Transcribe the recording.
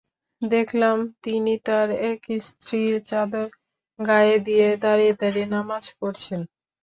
দেখলাম, তিনি তার এক স্ত্রীর চাদর গায়ে দিয়ে দাঁড়িয়ে দাঁড়িয়ে নামায পড়ছেন।